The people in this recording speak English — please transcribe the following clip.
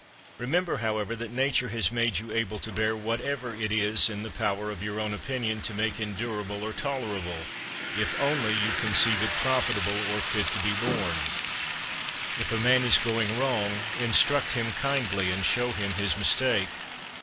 Remember, however, that Nature has made you able to bear whatever it is in the power of your own opinion to make endurable or tolerable, if only you conceive it profitable or fit to be borne. 4. If a man is going wrong, instruct him kindly, and shew him his mistake.